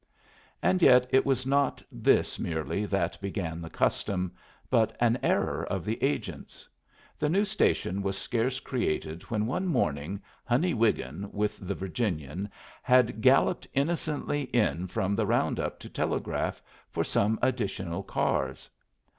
And yet it was not this merely that began the custom, but an error of the agent's. The new station was scarce created when one morning Honey Wiggin with the Virginian had galloped innocently in from the round up to telegraph for some additional cars.